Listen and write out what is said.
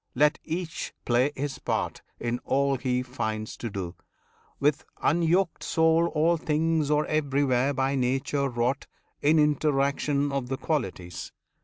let each play his part In all he finds to do, with unyoked soul. All things are everywhere by Nature wrought In interaction of the qualities.